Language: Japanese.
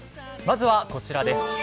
まずはこちら。